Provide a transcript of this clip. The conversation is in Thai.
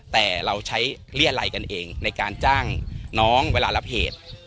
แต่เราใช้เรียรัยกันเองในการจ้างน้องเวลารับเหตุ